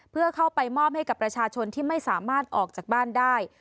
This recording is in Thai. เพื่อเข้าไปมอบให้กับประชาชนที่ไม่สามารถออกจากบ้านได้